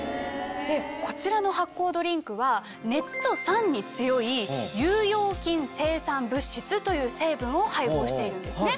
こちらの発酵ドリンクは熱と酸に強い有用菌生産物質という成分を配合しているんですね。